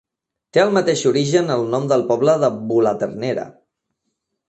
Té el mateix origen el nom del poble de Bulaternera.